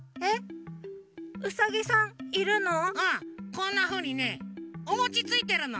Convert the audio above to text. こんなふうにねおもちついてるの。